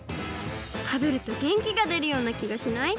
たべるとげんきがでるようなきがしない？